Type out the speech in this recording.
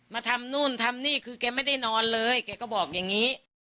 มาทำนู่นทำนี่คือแกไม่ได้นอนเลยแกก็บอกอย่างนี้